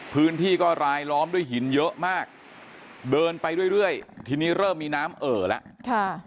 พื้นที่ก็รายล้อมด้วยหินเยอะมากเดินไปเรื่อยทีนี้เริ่มมีน้ำเอ่อแล้วค่ะ